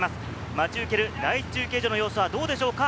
待ち受ける第１中継所の様子はどうでしょうか？